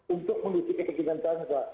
untuk mengisi kepentingan bangsa